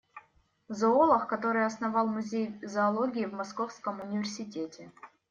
Зоолог, который основал музей зоологии в Московском университете.